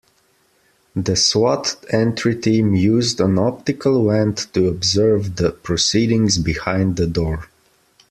The S.W.A.T. entry team used an optical wand to observe the proceedings behind the door.